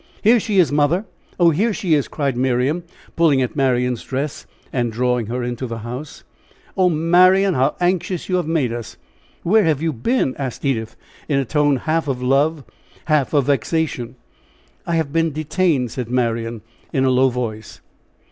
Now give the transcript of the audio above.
"Here she is, mother! Oh! here she is!" cried Miriam, pulling at Marian's dress and drawing her in the house. "Oh! Marian, how anxious you have made us! Where have you been?" asked Edith, in a tone half of love, half of vexation. "I have been detained," said Marian, in a low voice.